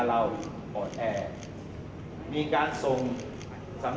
มันเป็นสิ่งที่เราไม่รู้สึกว่า